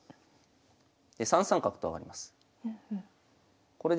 ３三角と上がります。